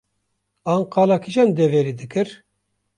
an qala kîjan deverê dikir